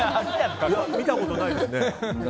見たことないですね